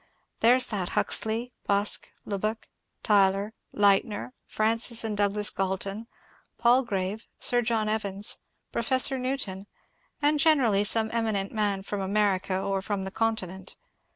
There sat Huxley, Busk, Lubbock, Tylor, Leitner, Francis and Douglas Galton, Palgrave, Sir John Evans, Professor Newton, and generally some eminent man from America or from the continent.